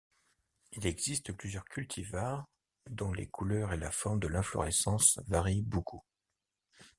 Il existe plusieurs cultivars dont les couleurs et la forme de l'inflorescence varient beaucoup.